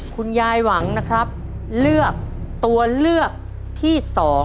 คุณยายหวังนะครับเลือกตัวเลือกที่๒